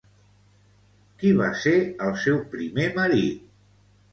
Qui va ser el seu primer marit?